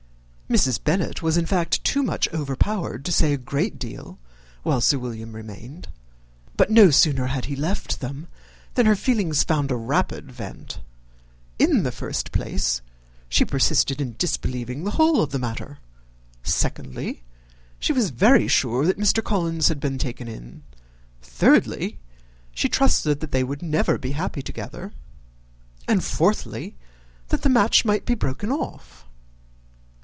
Mrs. Bennet was, in fact, too much overpowered to say a great deal while Sir William remained; but no sooner had he left them than her feelings found a rapid vent. In the first place, she persisted in disbelieving the whole of the matter; secondly, she was very sure that Mr. Collins had been taken in; thirdly, she trusted that they would never be happy together; and, fourthly, that the match might be broken off.